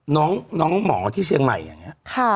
น้องหมอที่เชียงใหม่อย่างนี้